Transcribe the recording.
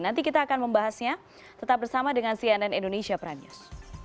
nanti kita akan membahasnya tetap bersama dengan cnn indonesia prime news